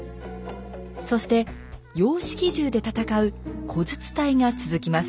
そして洋式銃で戦う「小銃隊」が続きます。